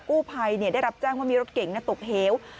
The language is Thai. กู้ภัยได้รับแจ้งว่ามีรถเก่งตกเหว